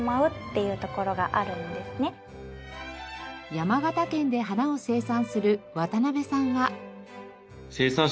山形県で花を生産する渡邊さんは。